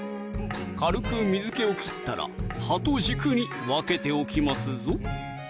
軽く水気を切ったら葉と軸に分けておきますぞ